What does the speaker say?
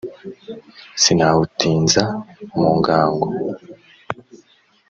Sinawutinza mu ngango